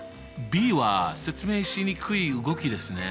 ｂは説明しにくい動きですね。